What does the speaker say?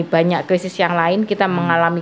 banyak krisis yang lain kita mengalami